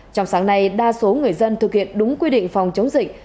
trong sáng nay đa số người dân thực hiện đúng quy định phòng chống dịch